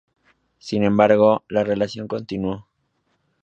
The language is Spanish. Sin embargo, la relación continuó.